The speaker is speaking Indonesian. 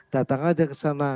datang aja ke sana